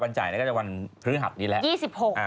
วันจ่ายก็จะวันพฤหัสนี้แหละ